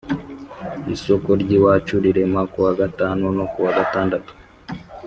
Isoko ry’iwacu rirema ku wa Gatatu no ku wa Gatandatu.